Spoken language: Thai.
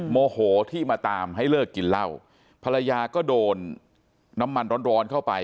โมโหที่มาตามให้เลิกกินเหล้าภรรยาก็โดนน้ำมันร้อนร้อนเข้าไป